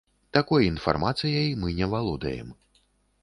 Такой інфармацыяй мы не валодаем.